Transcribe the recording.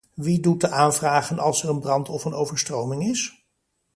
Wie doet de aanvragen als er een brand of een overstroming is?